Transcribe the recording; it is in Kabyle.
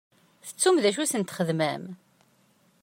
Tettum d acu i sent-txedmem?